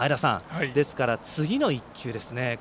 ですから次の１球ですね。